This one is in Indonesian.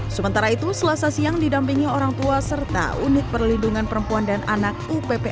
sementara itu selasa siang didampingi orang tua serta unit perlindungan perempuan dan anak upp